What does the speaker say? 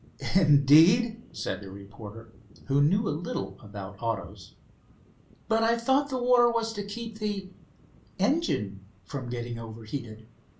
"Indeed," said the reporter, who knew a little about autos. "But I thought the water was to keep the engine from getting overheated."